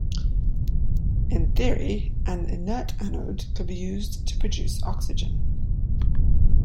In theory an inert anode could be used to produce oxygen.